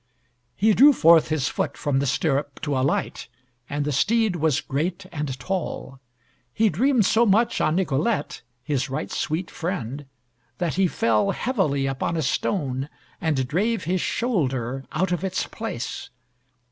He drew forth his foot from the stirrup to alight, and the steed was great and tall. He dreamed so much on Nicolette, his right sweet friend, that he fell heavily upon a stone, and drave his shoulder out of its place.